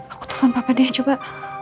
aku telfon papa deh coba